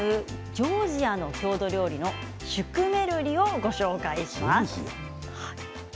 ジョージアの郷土料理シュクメルリをご紹介します。